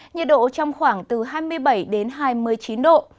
nhiệt độ trong khoảng từ hai mươi bảy đến hai mươi chín độ